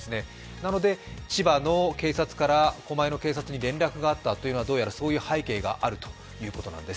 なので、千葉の警察から狛江の警察に連絡があったというのはどうやらそういう背景があるということなんです。